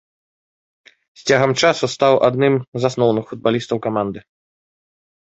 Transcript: З цягам часу стаў адным з асноўных футбалістаў каманды.